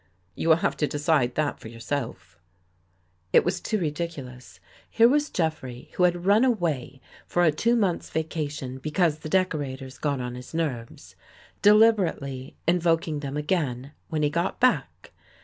You will have to decide that for yourself." It was too ridiculous. Here was Jeffrey who had run away for a two months' vacation because the decorators got on his nerves, deliberately invoking them again, when he got back.